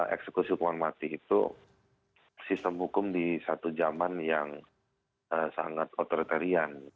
eksekusi hukuman mati itu sistem hukum di satu zaman yang sangat otoritarian